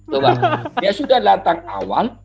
bahwa dia sudah datang awal